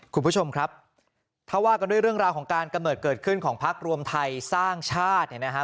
คุณผู้ชมครับถ้าว่ากันด้วยเรื่องราวของการกำเนิดเกิดขึ้นของพักรวมไทยสร้างชาติเนี่ยนะฮะ